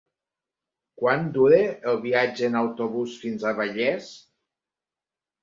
Quant dura el viatge en autobús fins a Vallés?